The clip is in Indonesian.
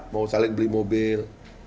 mau saling beli mobil